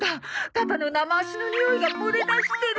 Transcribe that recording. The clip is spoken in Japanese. パパの生足のにおいが漏れ出してる！